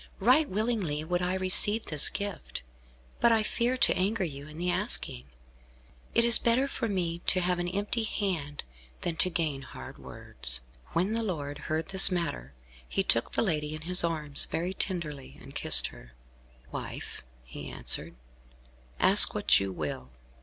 Right willingly would I receive this gift, but I fear to anger you in the asking. It is better for me to have an empty hand, than to gain hard words." When the lord heard this matter, he took the lady in his arms, very tenderly, and kissed her. "Wife," he answered, "ask what you will.